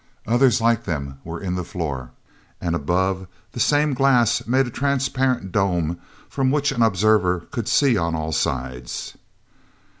Others like them were in the floor. And, above, the same glass made a transparent dome from which an observer could see on all sides.